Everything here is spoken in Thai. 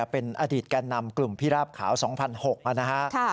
เป็นอดีตแก่นำกลุ่มพิราบขาว๒๖๐๐นะฮะ